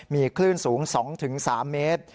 มีคลื่นสูง๒๓เมตร